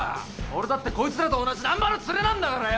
俺だってこいつらと同じ難破のツレなんだからよ！